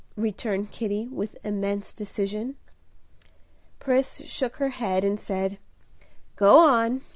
returned Kitty, with immense decision. Pris shook her head, and said, "Go on!"